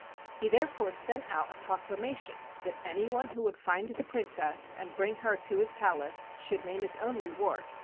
He therefore sent out a proclamation that any one who would find the Princess and bring her to his palace should name his own reward.